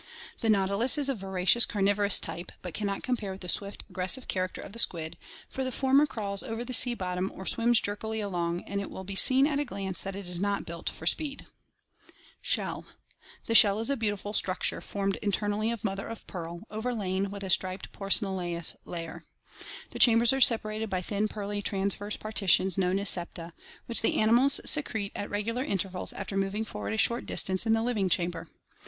The nautilus is a voracious carnivorous type, Fio. ioj.— Nautilus pompuita removed but can not compare with from shell to show anatomy: t, eye; i, gills; tne swift, aggressive character ..funnel. (Alter W.lley.) ^^^"^^ crawls over the sea bottom or swims jerkily along, and it will be seen at a glance that it is not built for speed. Shell. — The shell is a beautiful structure formed internally of mother of pearl, overlain with a striped porcelanous layer. The chambers are separated by thin pearly transverse partitions known as septa, which the animals secrete at regular intervals after mov ing forward a short distance in the living chamber.